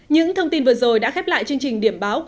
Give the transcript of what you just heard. những thông tin vừa rồi đã khép lại chương trình điểm báo